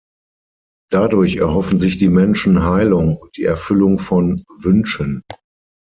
Dadurch erhoffen sich die Menschen Heilung und die Erfüllung von Wünschen.